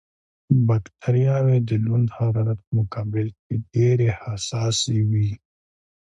بکټریاوې د لوند حرارت په مقابل کې ډېرې حساسې وي.